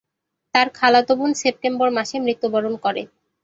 তার খালাতো বোন সেপ্টেম্বর মাসে মৃত্যুবরণ করে।